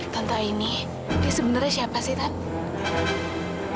tante aini dia sebenarnya siapa sih tante